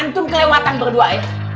anton ke natural berdua ya